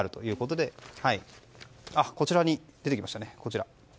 こちらに出てきましたね。